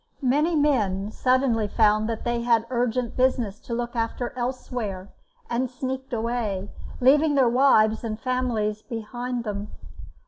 Many men suddenly found that they had urgent business to look after elsewhere, and sneaked away, leaving their wives and families behind them.